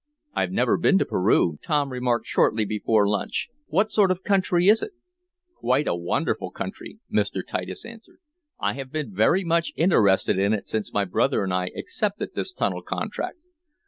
"I've never been to Peru," Tom remarked shortly before lunch. "What sort of country is it?" "Quite a wonderful country," Mr. Titus answered. "I have been very much interested in it since my brother and I accepted this tunnel contract.